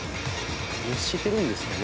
熱してるんですかね？